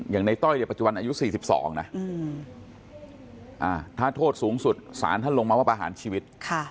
ในต้อยในปัจจุบันอายุ๔๒นะถ้าโทษสูงสุดศาลท่านลงมาว่าประหารชีวิต